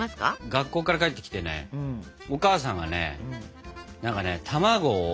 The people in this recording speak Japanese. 学校から帰ってきてねお母さんがねなんかね卵を。